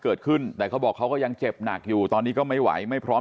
เกิดขึ้นแต่เขาบอกเขาก็ยังเจ็บหนักอยู่ตอนนี้ก็ไม่ไหวไม่พร้อม